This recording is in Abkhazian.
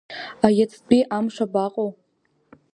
Иацтәи амш абаҟоу…